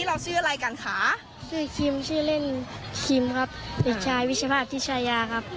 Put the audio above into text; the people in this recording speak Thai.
เราชื่ออะไรกันค่ะชื่อชื่อเล่นครับเด็กชายวิชาภาพที่ชายาครับ